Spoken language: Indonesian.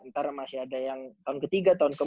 ntar masih ada yang tahun ke tiga tahun ke empat